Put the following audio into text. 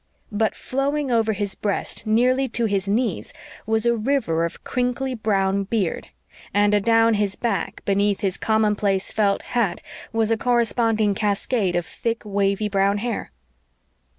But, flowing over his breast nearly to his knees, was a river of crinkly brown beard; and adown his back, beneath his commonplace felt hat, was a corresponding cascade of thick, wavy, brown hair.